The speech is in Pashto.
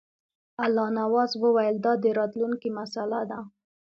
الله نواز وویل دا د راتلونکي مسله ده.